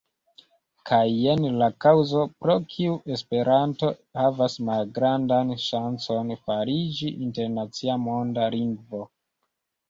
Kaj jen la kaŭzo, pro kiu Esperanto havas malgrandan ŝancon fariĝi internacia monda lingvo.